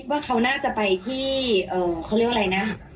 ว่าเขาน่าจะไปที่เขาเรียกว่าอะไรนะ